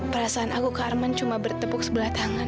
perasaan aku ke arman cuma bertepuk sebelah tangan